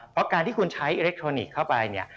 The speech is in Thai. เพราะการที่คุณใช้อิเล็กทรอนิกส์เข้าไปเนี่ย